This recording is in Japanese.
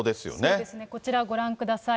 そうですね、こちらご覧ください。